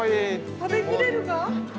食べ切れるか？